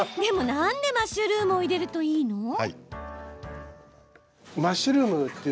でも、なんでマッシュルームを入れるといいの？